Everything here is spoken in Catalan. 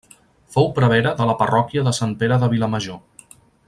Fou prevere de la parròquia de Sant Pere de Vilamajor.